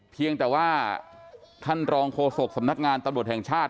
เพียงแต่ว่าท่านรองโฆษกสำนักงานตำรวจแห่งชาติ